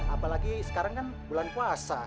apalagi sekarang kan bulan puasa